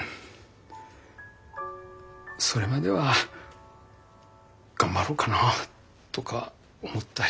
それまでは頑張ろうかなとか思ったり。